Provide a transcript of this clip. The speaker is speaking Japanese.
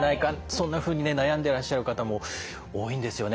そんなふうに悩んでらっしゃる方も多いんですよね